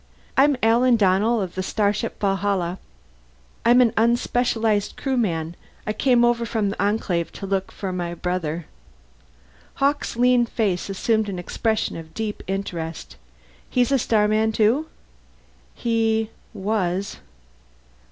"I'm Alan Donnell, of the starship Valhalla. I'm an Unspecialized Crewman. I came over from the Enclave to look for my brother." Hawkes' lean face assumed an expression of deep interest. "He's a starman too?" "He was."